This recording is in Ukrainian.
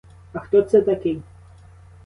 А хто це такий?